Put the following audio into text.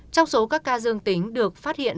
trong số các ca dương tính được phát hiện